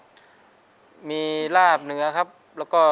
ต้นไม้ประจำจังหวัดระยองการครับ